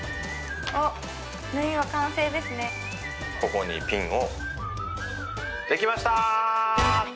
ここにピンを。できました！